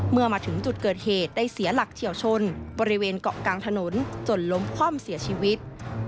เมื่อมาถึงจุดเกิดเหตุได้เสียหลักเฉียวชนบริเวณเกาะกลางถนนจนล้มคว่ำเสียชีวิต